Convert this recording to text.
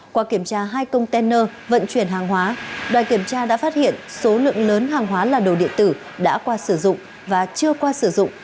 qua kiểm tra hai container vận chuyển hàng hóa đoàn kiểm tra đã phát hiện số lượng lớn hàng hóa là đồ điện tử đã qua sử dụng và chưa qua sử dụng